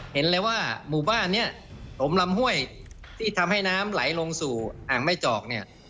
เห็นเลยว่าหมู่บ้านนี้ถมลำห้วยที่ทำให้น้ำไหลลงสู่อ่างแม่จอกเนี่ย